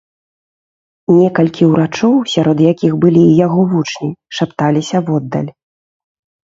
Некалькі ўрачоў, сярод якіх былі і яго вучні, шапталіся воддаль.